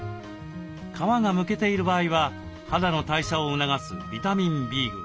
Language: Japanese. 皮がむけている場合は肌の代謝を促すビタミンＢ群。